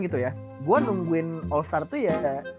gue nungguin all star tuh ya